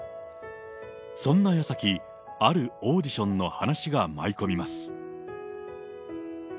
そんな矢先、あるオーディションの話が舞い込みます。